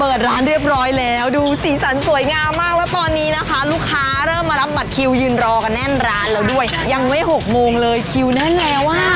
เปิดร้านเรียบร้อยแล้วดูสีสันสวยงามมากแล้วตอนนี้นะคะลูกค้าเริ่มมารับบัตรคิวยืนรอกันแน่นร้านแล้วด้วยยังไม่หกโมงเลยคิวแน่นแล้วอ่ะ